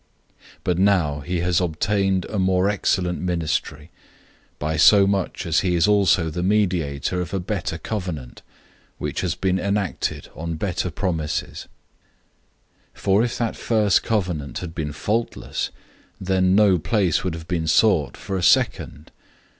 "{Exodus 25:40} 008:006 But now he has obtained a more excellent ministry, by so much as he is also the mediator of a better covenant, which on better promises has been given as law. 008:007 For if that first covenant had been faultless, then no place would have been sought for a second.